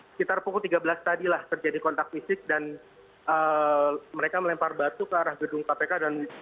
sekitar pukul tiga belas tadilah terjadi kontak fisik dan mereka melempar batu ke arah gedung kpk dan batu yang berukuran berat